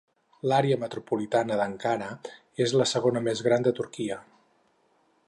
L'àrea metropolitana d'Ankara és la segona més gran de Turquia.